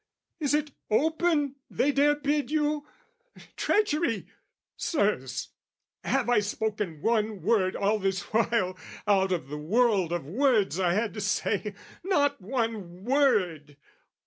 Is it "Open" they dare bid you? Treachery! Sirs, have I spoken one word all this while Out of the world of words I had to say? Not one word!